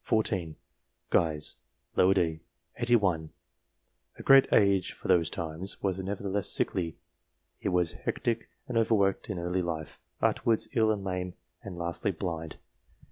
Guise, d set. 81, a great age for those times, was nevertheless sickly. He was hectic and over worked in early life, afterwards ill and lame, and lastly blind.